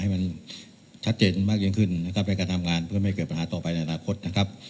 ให้มันชัดเจนมากยิ่งขึ้นได้การทำงานเพื่อไม่เกิดปัญหาต่อไปครับ